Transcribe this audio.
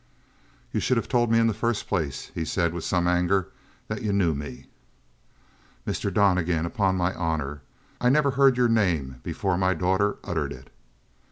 "You should have told me in the first place," he said with some anger, "that you knew me." "Mr. Donnegan, upon my honor, I never heard your name before my daughter uttered it."